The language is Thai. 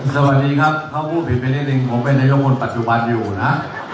สวัสดีครับเขาพูดถึงไปนิดนึงผมเป็นนายกคนปัจจุบันอยู่นะ